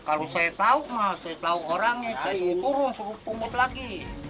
kalau saya tahu mah saya tahu orangnya saya turun suruh pungut lagi